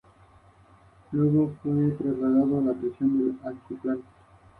Dice el Pbro.